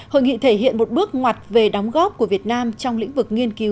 hội nghị thể hiện một bước ngoặt về đóng góp của việt nam trong lĩnh vực nghiên cứu